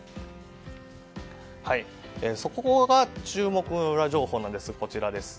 そこが注目のウラ情報なんです。